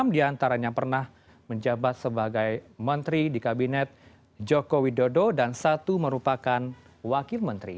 enam diantaranya pernah menjabat sebagai menteri di kabinet joko widodo dan satu merupakan wakil menteri